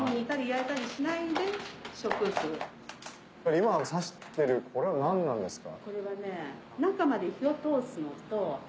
今刺してるこれは何なんですか？